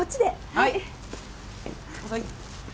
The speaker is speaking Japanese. はい。